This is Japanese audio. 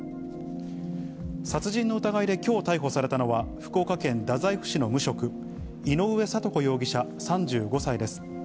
殺人の疑いできょう逮捕されたのは、福岡県太宰府市の無職、井上徳子容疑者３５歳です。